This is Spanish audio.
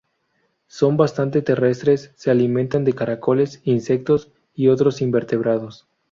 Son bastante terrestres; se alimentan de caracoles, insectos y otros invertebrados.